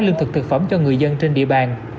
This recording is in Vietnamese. lương thực thực phẩm cho người dân trên địa bàn